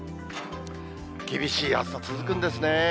厳しい暑さ続くんですね。